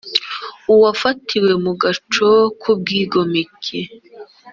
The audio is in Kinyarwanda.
uwafatiwe mu gaco k ubwigomeke